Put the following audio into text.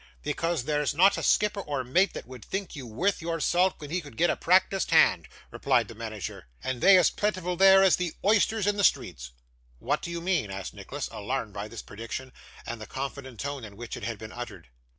'Because there's not a skipper or mate that would think you worth your salt, when he could get a practised hand,' replied the manager; 'and they as plentiful there, as the oysters in the streets.' 'What do you mean?' asked Nicholas, alarmed by this prediction, and the confident tone in which it had been uttered.